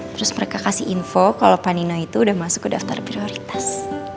terus mereka kasih info kalau panina itu udah masuk ke daftar prioritas